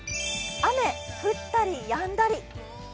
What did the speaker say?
雨降ったりやんだり。